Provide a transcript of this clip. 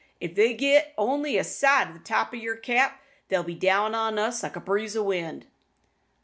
If they git only a sight o' the top o' yer cap, they'll be down on us like a breeze o' wind."